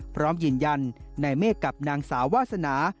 พร้อมยืนยันนายเมฆกับนางสาววาสนา